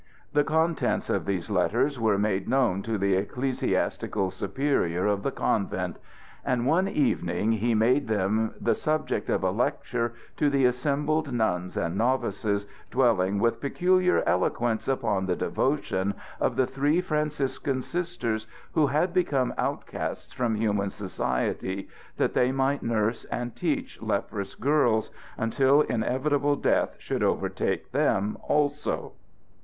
The contents of these letters were made known to the ecclesiastical superior of the convent; and one evening he made them the subject of a lecture to the assembled nuns and novices, dwelling with peculiar eloquence upon the devotion of the three Franciscan Sisters who had become outcasts from human society that they might nurse and teach leprous girls, until inevitable death should overtake them also.